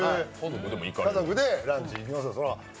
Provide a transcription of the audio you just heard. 家族でランチ行きますよ。